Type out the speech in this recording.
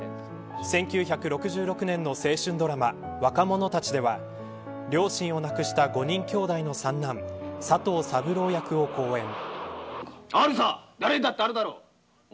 １９６６年の青春ドラマ若者たちでは両親を亡くした５人きょうだいの三男あるさ、誰にだってあるだろ。